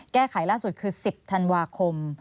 แก้ไขล่าสุดคือ๑๐ธันวาคม